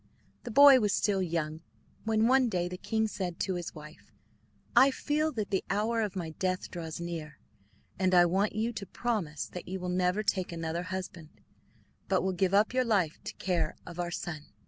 The boy was still young when, one day, the king said to his wife: "I feel that the hour of my death draws near, and I want you to promise that you will never take another husband but will give up your life to the care of our son."